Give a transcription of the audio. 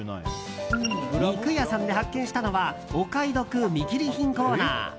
肉屋さんで発見したのはお買い得見切り品コーナー。